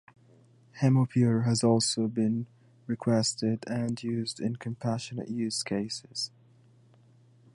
Hemopure has also been requested and used in compassionate use cases.